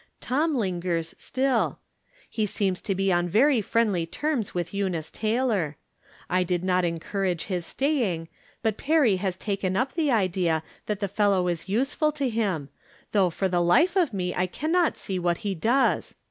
Tom lingers still. He seems to be on very friendly terms with Eu nice Taylor. I did not encourage his staying, but Perry has taken up the idea that the fellow is useful to him, though for the life of me I can not see what he does.